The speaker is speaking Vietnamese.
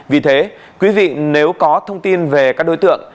vì thế quý vị nếu có thông tin về các đối tượng